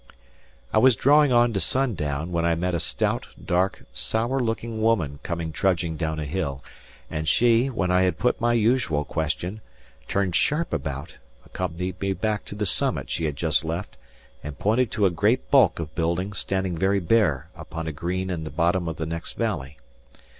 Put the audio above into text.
It was drawing on to sundown when I met a stout, dark, sour looking woman coming trudging down a hill; and she, when I had put my usual question, turned sharp about, accompanied me back to the summit she had just left, and pointed to a great bulk of building standing very bare upon a green in the bottom of the next valley.